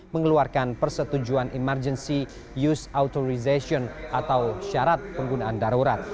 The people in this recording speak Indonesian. mengeluarkan persetujuan emergency use authorization atau syarat penggunaan darurat